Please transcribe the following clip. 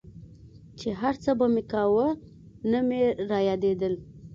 چې هرڅه به مې فکر کاوه نه مې رايادېدل.